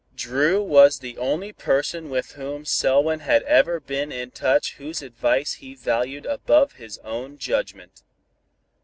Dru was the only person with whom Selwyn had ever been in touch whose advice he valued above his own judgment.